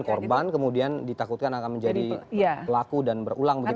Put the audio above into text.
korban kemudian ditakutkan akan menjadi pelaku dan berulang begitu